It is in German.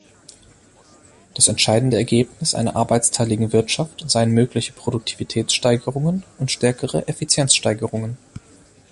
Das entscheidende Ergebnis einer arbeitsteiligen Wirtschaft seien mögliche Produktivitätssteigerungen und stärkere Effizienzsteigerungen.